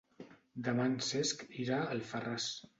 Demà en Cesc irà a Alfarràs.